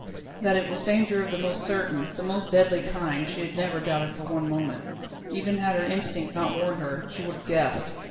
That it was danger of the most certain, the most deadly kind she never doubted for one moment. Even had her instinct not warned her, she would have guessed.